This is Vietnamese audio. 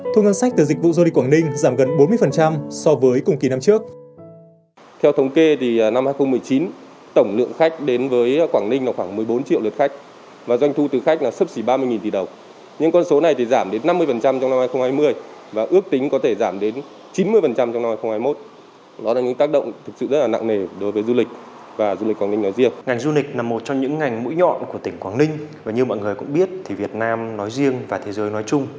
thu ngân sách từ dịch vụ du lịch quảng ninh giảm gần bốn mươi so với cùng kỳ năm trước